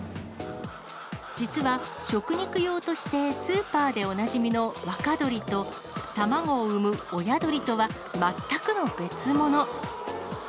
実は食肉用としてスーパーでおなじみの若鶏と、卵を産む親鶏とは全くの別物。